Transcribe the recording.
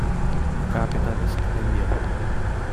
The capital is Kindia.